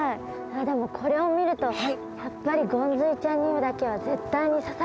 でもこれを見るとやっぱりゴンズイちゃんにだけは絶対に刺されたくないです。